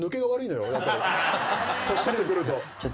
年取ってくると。